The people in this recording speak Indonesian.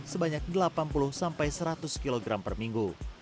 sebanyak delapan puluh sampai seratus kilogram per minggu